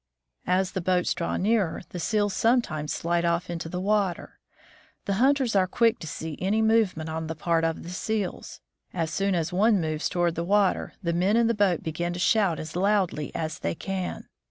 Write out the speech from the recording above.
As the boats draw nearer, the seals sometimes slide off into the water. The hunters are quick to see any move ment on the part of the seals. As soon as one moves toward the water, the men in the boat begin to shout as loudly as they can.